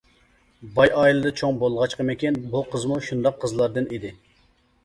باي ئائىلىدە چوڭ بولغاچقىمىكىن بۇ قىزمۇ ئاشۇنداق قىزلاردىن ئىدى.